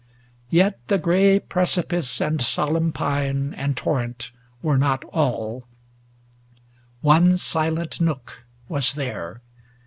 570 Yet the gray precipice and solemn pine And torrent were not all; ŌĆö one silent nook Was there.